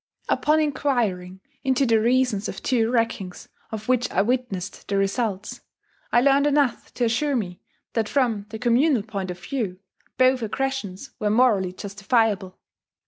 Upon enquiring into the reasons of two wreckings of which I witnessed the results, I learned enough to assure me that from the communal point of view, both aggressions were morally justifiable.